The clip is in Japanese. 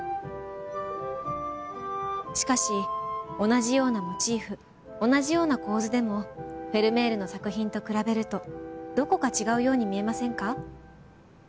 しかし同じようなモチーフ同じような構図でもフェルメールの作品と比べるとどこか違うように見えませんか？